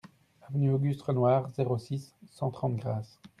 Avenue Auguste Renoir, zéro six, cent trente Grasse